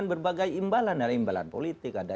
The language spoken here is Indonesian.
berbagai imbalan ada imbalan politik ada